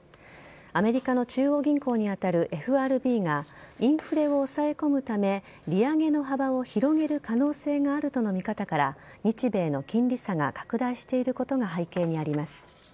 アメリカの中央銀行に当たるＦＲＢがインフレを抑え込むため利上げの幅を広げる可能性があるとの見方から日米の金利差が拡大していることが背景にあります。